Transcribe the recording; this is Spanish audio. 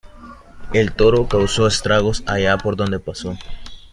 El toro causó estragos allá por donde pasó.